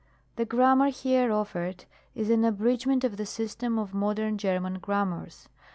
•♦♦ The Grammar here offered is an abridgment of the System of modern German Grammars.